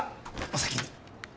お先に。